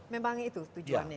memang itu tujuannya